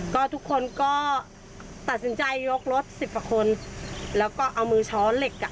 ก็ทุกคนก็ตัดสินใจยกรถสิบกว่าคนแล้วก็เอามือช้อเหล็กอ่ะ